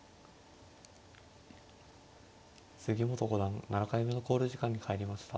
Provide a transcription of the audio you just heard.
杉本五段７回目の考慮時間に入りました。